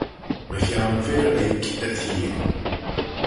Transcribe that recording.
Mychione fir-oik y theay.